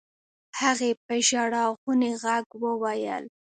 هغې په ژړغوني غږ وويل.